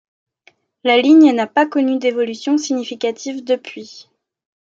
La ligne n'a pas connu d'évolution significative depuis.